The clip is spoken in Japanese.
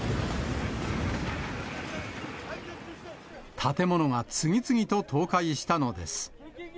建物が次々と倒壊したのです。